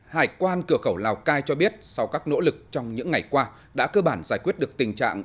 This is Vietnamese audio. hải quan cửa khẩu lào cai cho biết sau các nỗ lực trong những ngày qua đã cơ bản giải quyết được tình trạng